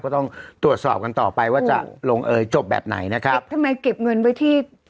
ก็ต้องตรวจสอบกันต่อไปว่าจะลงเอยจบแบบไหนนะครับเก็บทำไมเก็บเงินไว้ที่